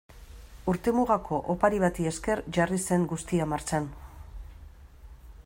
Urtemugako opari bati esker jarri zen guztia martxan.